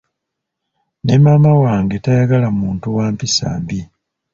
Ne maama wange tayagala muntu wa mpisa mbi.